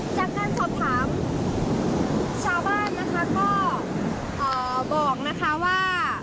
จากการสอบถามชาวบ้านนะคะก็บอกนะคะว่า